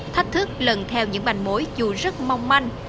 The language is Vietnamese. thách thức lần theo những manh mối dù rất mong manh